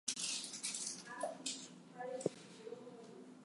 The surrounding lands were once owned by the Decarie family.